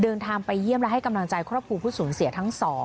เดินทางไปเยี่ยมและให้กำลังใจครอบครัวผู้สูญเสียทั้ง๒